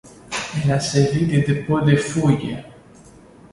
Elle a servi de dépôt de fouilles.